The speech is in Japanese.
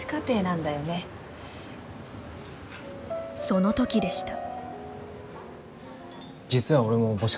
そのときでした。